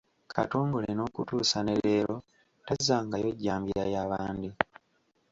Katongole n’okutuusa ne leero tazzangayo jjambiya ya bandi?